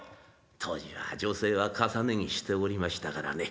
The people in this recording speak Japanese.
当時は女性は重ね着しておりましたからね。